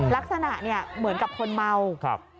ลักษณะเหมือนกับคนเมา